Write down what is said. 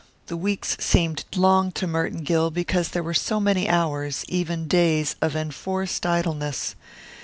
The weeks seemed long to Merton Gill because there were so many hours, even days, of enforced idleness.